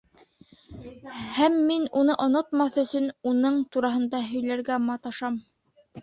Һәм мин, уны онотмаҫ өсөн, уның тураһында һөйләргә маташам.